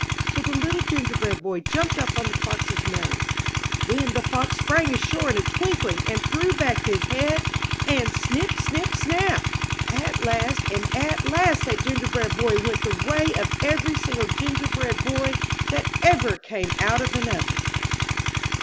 *' So the Little Gingerbread Boy jumped up on the fox's nose. Then the fox sprang ashore in a twinkling and threw back his head and snip, snip, snap! ^^\t last and at last that Gingerbread Boy went the way ^of every single gingerbread boy that ever came out of an oven